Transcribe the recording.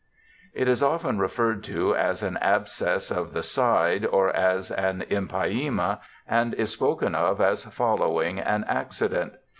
It is often referred to as an abscess of the side or as an empyema and is spoken of as following an accident.